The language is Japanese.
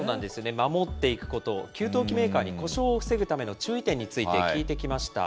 守っていくこと、給湯器メーカーに故障を防ぐための注意点について聞いてきました。